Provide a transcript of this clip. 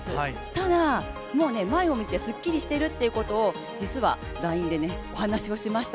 ただ、前を見てすっきりしているっていうことを実はＬＩＮＥでお話をしました。